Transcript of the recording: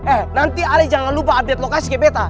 eh nanti ali jangan lupa update lokasi ke betta